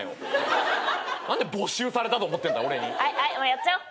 やっちゃおう。